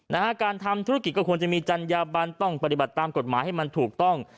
นะฮะการทำธุรกิจก็ควรจะมีจัญญาบันต้องปฏิบัติตามกฎหมายให้มันถูกต้อง